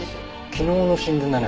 昨日の新聞だね。